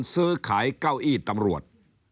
ซื้อขายเก้าอี้ตำรวจ